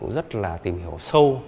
rất là tìm hiểu sâu